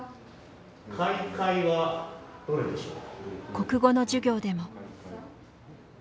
国語の授業でも。